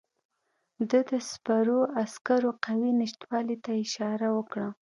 ده د سپرو عسکرو قوې نشتوالي ته اشاره وکړه.